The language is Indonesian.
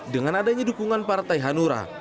dengan adanya dukungan partai hanura